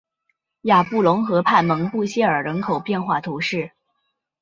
雅布龙河畔蒙布谢尔人口变化图示